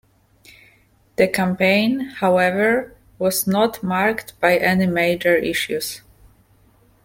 The campaign, however, was not marked by any major issues.